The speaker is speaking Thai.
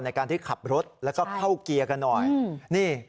ในการที่ขับรถแล้วก็เข้าเกียร์กันหน่อยนี่